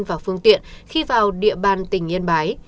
và phương tiện khi vào địa bàn tỉnh yên bái